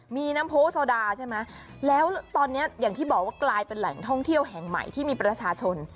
มีน้ำโพโซดาใช่ไหมแล้วตอนนี้อย่างที่บอกว่ากลายเป็นแหล่งท่องเที่ยวแห่งใหม่ที่มีประชาชน